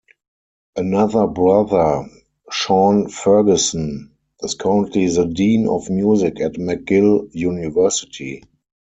Another brother, Sean Ferguson, is currently the dean of music at McGill University.